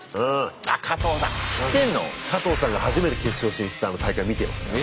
カトウさんが初めて決勝進出した大会見てますから。